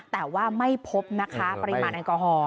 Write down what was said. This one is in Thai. แต่ว่าไม่พบนะคะปริมาณแอลกอฮอล